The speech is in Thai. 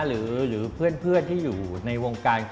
หรือเพื่อนที่อยู่ในวงการ